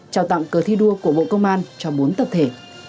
trao tặng cờ thi đua của bộ công an cho bốn tập thể